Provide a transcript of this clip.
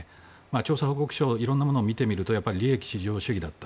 調査報告書色んなものを見てみますと利益史上主義だった。